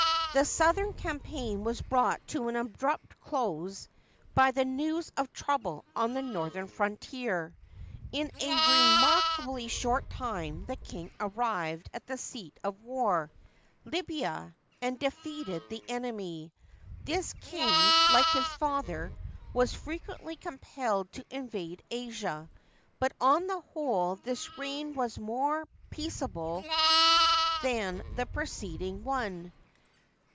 The southern campaign was brought to an abrupt close by the news of trouble on the northern frontier. In a remark ably short time the king arrived at the seat of war— Libya — and defeated the enemy. This king, like his father, was frequently compelled to invade Asia, but on the whole this reim was more peaceable than the preceding one.